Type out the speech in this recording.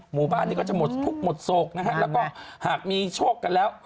หมู่บ้านนี้ก็จะหมดทุกข์หมดโศกนะฮะแล้วก็หากมีโชคกันแล้ว